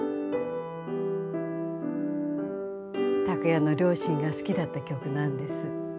託也の両親が好きだった曲なんです。